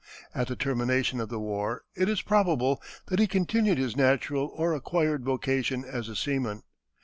At the termination of the war it is probable that he continued his natural or acquired vocation as a seaman.